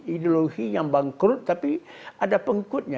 ideologi yang bangkrut tapi ada pengikutnya